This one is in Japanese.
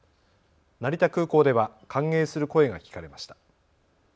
成田空港では歓迎する声が聞かれました。